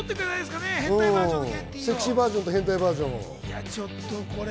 セクシーバージョンと変態バージョン。